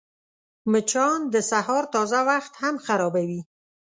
مچان د سهار تازه وخت هم خرابوي